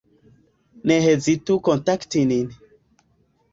Ne hezitu kontakti nin.